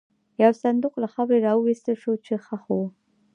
یو صندوق له خاورې را وایستل شو، چې ښخ و.